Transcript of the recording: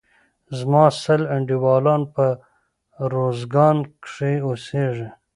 زما سل انډيوالان په روزګان کښي اوسيږي.